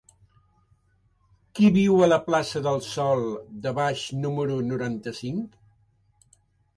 Qui viu a la plaça del Sòl de Baix número noranta-cinc?